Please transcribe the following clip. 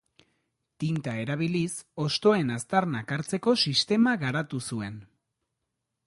Tinta erabiliz hostoen aztarnak hartzeko sistema garatu zuen.